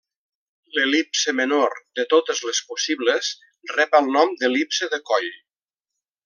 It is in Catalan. L'el·lipse menor de totes les possibles rep el nom d'el·lipse de coll.